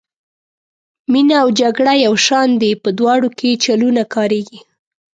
مینه او جګړه یو شان دي په دواړو کې چلونه کاریږي.